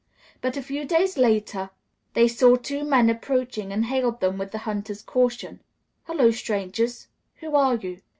But a few days later they saw two men approaching and hailed them with the hunter's caution, "Hullo, strangers; who are you?"